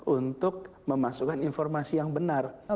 untuk memasukkan informasi yang benar